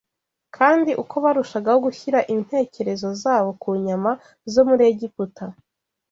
kandi uko barushagaho gushyira intekerezo zabo ku nyama zo muri Egiputa,